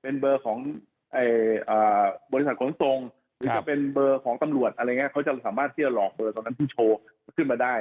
เป็นเบอร์ของบริษัทขนส่งหรือจะเป็นเบอร์ของตำรวจอะไรอย่างนี้เขาจะสามารถที่จะหลอกเบอร์ตรงนั้นที่โชว์ขึ้นมาได้